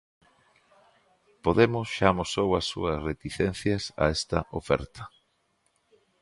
Podemos xa amosou as súas reticencias a esta oferta...